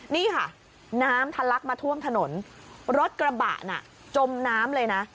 นี่ค่ะน้ำทะลักมาท่วมถนนรถกระบะน่ะจมน้ำเลยนะ